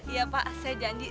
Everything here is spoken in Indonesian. iya pak saya janji